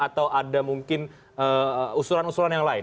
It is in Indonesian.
atau ada mungkin usulan usulan yang lain